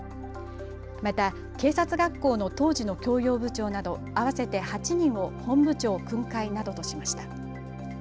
また警察学校の当時の教養部長など合わせて８人を本部長訓戒などとしました。